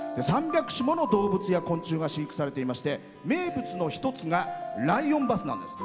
３００種もの動物や昆虫が飼育されていまして名物の一つがライオンバスなんです。